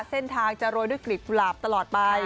เส้นทางจะโรยด้วยกลีบกุหลาบตลอดไป